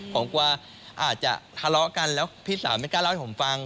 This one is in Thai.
ผมกลัวอาจจะทะเลาะกันแล้วพี่สาวไม่กล้าเล่าให้ผมฟัง